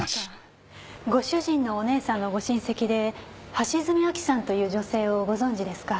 ご主人のお姉さんのご親戚で橋爪亜希さんという女性をご存じですか？